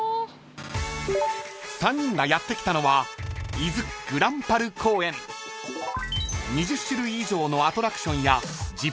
［３人がやって来たのは］［２０種類以上の］